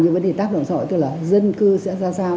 những vấn đề tác động xã hội tức là dân cư sẽ ra sao